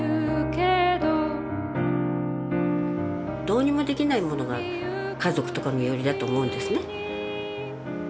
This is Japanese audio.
どうにもできないものが家族とか身寄りだと思うんですね。